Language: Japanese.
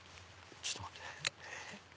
ちょっと待ってね。